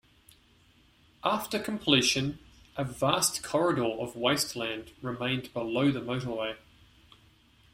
After completion a vast corridor of wasteland remained below the motorway.